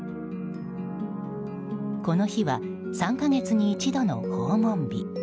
この日は３か月に一度の訪問日。